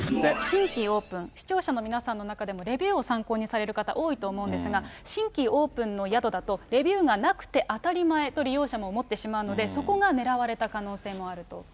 新規オープン、レビューを参考にされる方、多いと思うんですが、新規オープンの宿だと、レビューがなくて当たり前と利用者も思ってしまうので、そこが狙われた可能性もあると。